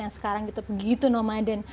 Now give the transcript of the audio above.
yang sekarang itu begitu nomaden